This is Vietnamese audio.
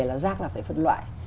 là rác là phải phân loại